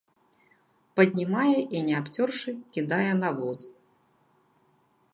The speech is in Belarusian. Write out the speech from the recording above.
Паднімае і не абцёршы кідае на воз.